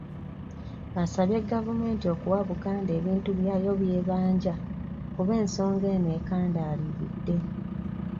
Asabye gavumenti okuwa Buganda ebintu byayo by'ebanja kuba ensonga eno ekandaaliridde.